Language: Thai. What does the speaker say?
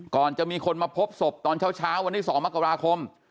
ก่อนจะมีคนมาพบศพตอนเช้าวันที่๒มกราคม